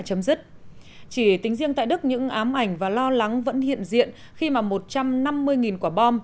chấm dứt chỉ tính riêng tại đức những ám ảnh và lo lắng vẫn hiện diện khi mà một trăm năm mươi quả bom